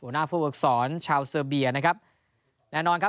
หัวหน้าผู้เวิกศรชาวเซอร์เบียนะครับแน่นอนครับ